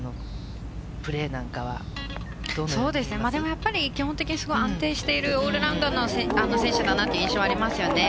やっぱり基本的にすごい安定しているオールラウンダーな選手だなという印象はありますよね。